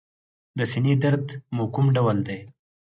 د سینې درد مو کوم ډول دی؟